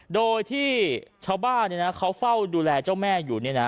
โดยที่ชาวบ้านเนี่ยนะเค้าเฝ้าดูแลเจ้าแม่อยู่เนี่ยนะ